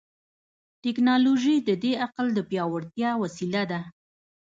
ټیکنالوژي د دې عقل د پیاوړتیا وسیله ده.